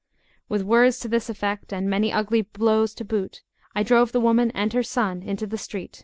With words to this effect, and many ugly blows to boot, I drove the woman and her son into the street.